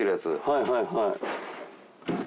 はいはいはい。